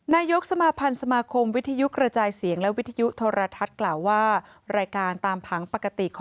หากจะโฆษณาใน๗๕วันนี้